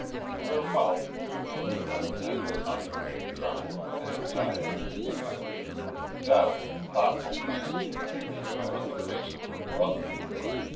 Her mouth drooped a little and her under lip trembled with anxiety. Doubt, thoughtfulness, and confusion were on the face of her brother.